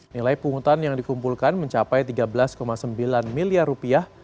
nilai pungutan yang dikumpulkan mencapai tiga belas sembilan miliar rupiah